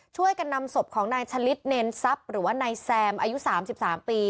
ช่วยกันนำศพของนายชะลิดเนรนซับหรือว่านายแซมอายุสามสิบสามปี